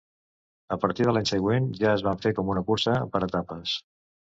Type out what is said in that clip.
A partir de l'any següent ja es va fer com una cursa per etapes.